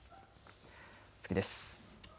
次です。